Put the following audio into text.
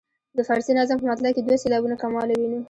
د فارسي نظم په مطلع کې دوه سېلابونه کموالی وینو.